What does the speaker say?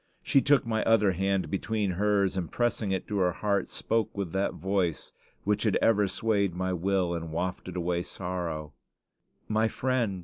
She took my other hand between hers, and pressing it to her heart, spoke with that voice which had ever swayed my will and wafted away sorrow: "My friend!